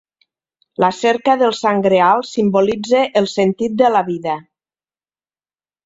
La cerca del Sant Greal simbolitza el sentit de la vida.